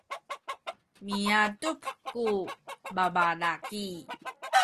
miadup ku babalaki.